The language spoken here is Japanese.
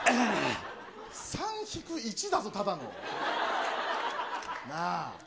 ３引く１だぞ、ただの。なぁ。